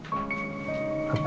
yang penting kamu sembuh